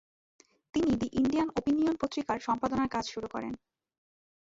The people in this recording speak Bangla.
তিনি দি ইন্ডিয়ান ওপিনিয়ন পত্রিকার সম্পাদনার কাজ শুরু করেন।